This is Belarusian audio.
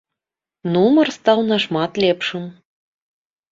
Нумар стаў нашмат лепшым.